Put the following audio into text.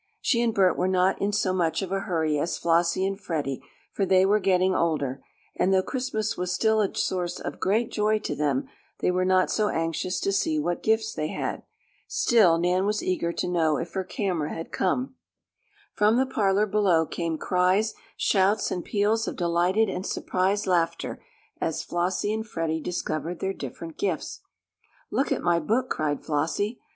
She and Bert were not in so much of a hurry as Flossie and Freddie for they were getting older, and though Christmas was still a source of great joy to them they were not so anxious to see what gifts they had. Still Nan was eager to know if her camera had come. From the parlor below came cries, shouts and peals of delighted and surprised laughter as Flossie and Freddie discovered their different gifts. "Look at my book!" cried Flossie.